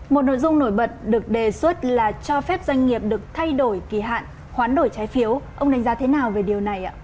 một nội dung nổi bật được đề xuất là cho phép doanh nghiệp được thay đổi kỳ hạn hoán đổi trái phiếu ông đánh giá thế nào về điều này ạ